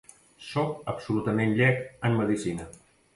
Soc absolutament llec en medicina.